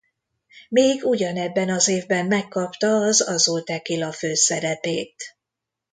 Még ugyanebben az évben megkapta az Azul Tequila főszerepét.